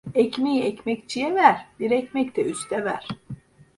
Ekmeği ekmekçiye ver, bir ekmek de üste ver.